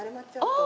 ああ！